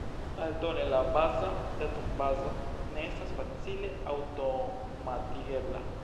Aldone, la baza datumbazo ne estas facile aŭtomatigebla.